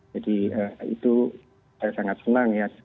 jadi itu saya sangat senang ya